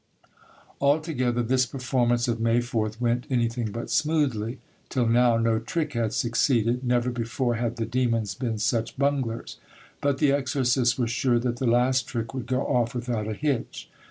Altogether, this performance of May 4th, went anything but smoothly. Till now no trick had succeeded; never before had the demons been such bunglers. But the exorcists were sure that the last trick would go off without a hitch.